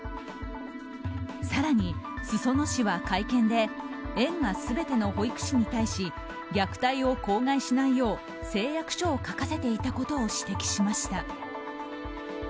更に、裾野市は会見で園が全ての保育士に対し虐待を口外しないよう誓約書を書かせていたことを指摘しました。